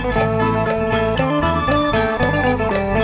โชว์ฮีตะโครน